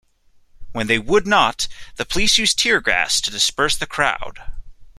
When they would not, the police used tear gas to disperse the crowd.